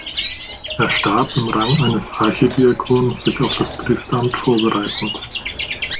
Er starb im Rang eines Archidiakon, sich auf das Priesteramt vorbereitend.